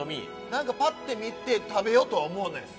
なんかパッて見て食べようとは思わないです。